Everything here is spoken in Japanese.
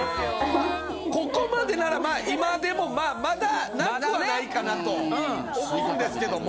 まあここまでなら今でもまだなくはないかなと思うんですけども。